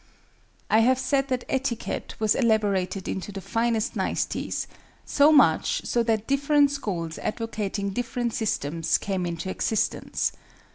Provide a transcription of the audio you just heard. I have said that etiquette was elaborated into the finest niceties, so much so that different schools advocating different systems, came into existence.